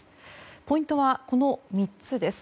ポイントはこの３つです。